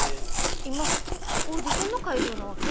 今オーディションの会場なわけ？